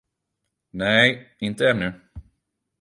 Nej, inte ännu.